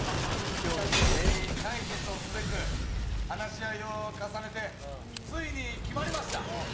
しかし解決をすべく話し合いを重ねてついに決まりました！